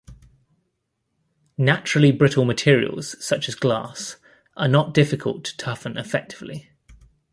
Naturally brittle materials, such as glass, are not difficult to toughen effectively.